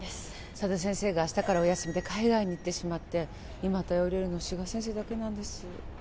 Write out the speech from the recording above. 佐田先生が明日からお休みで海外に今頼れるの志賀先生だけなんです